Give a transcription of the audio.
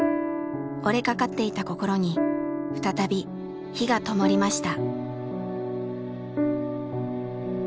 折れかかっていた心に再び火がともりました。